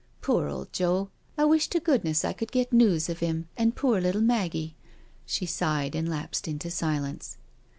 Poor old Joel I wish to goodness I could get news of him and poor little Maggie." She sighed and lapsed into silence.